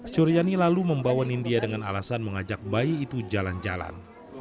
suryani lalu membawa nindya dengan alasan mengajak bayi itu jalan jalan